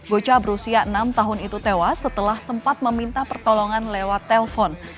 bocah berusia enam tahun itu tewas setelah sempat meminta pertolongan lewat telpon